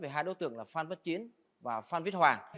hai đối tượng là phan vất chiến và phan vít hoàng